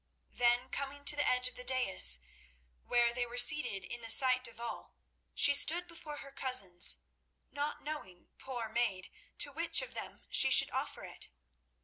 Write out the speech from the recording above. Then coming to the edge of the dais, where they were seated in the sight of all, she stood before her cousins, not knowing, poor maid, to which of them she should offer it.